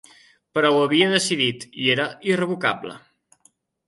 Però ho havia decidit, i era irrevocable.